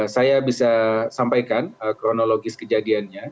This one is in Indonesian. saya bisa sampaikan kronologis kejadiannya